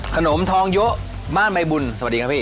ขนมทองโยะมา่นไมบุญสวัสดีครับพี่